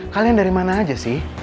kalian dari mana aja sih